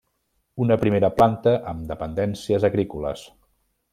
Una primera planta amb dependències agrícoles.